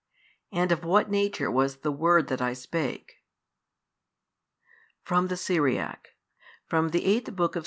And of what nature was the word that I spake?" (From the Syriac) 1 FROM THE EIGHTH BOOK OF S.